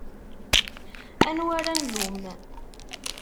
Anwa ara nlumm?